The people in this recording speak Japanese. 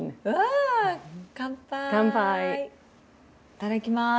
いただきます。